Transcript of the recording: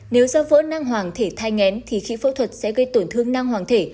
nếu do vỡ năng hoàng thể thai ngén thì khi phẫu thuật sẽ gây tổn thương năng hoàng thể